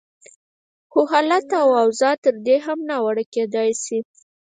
خو حالت او اوضاع تر دې هم ناوړه کېدای شي.